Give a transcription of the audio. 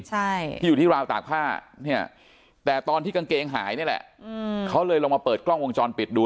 ใช่ที่อยู่ที่ราวตากผ้าเนี่ยแต่ตอนที่กางเกงหายนี่แหละอืมเขาเลยลองมาเปิดกล้องวงจรปิดดู